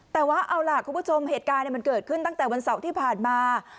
แต่ว่าเอาล่ะคุณผู้ชมเหตุการณ์มันเกิดขึ้นตั้งแต่วันเสาร์ที่ผ่านมา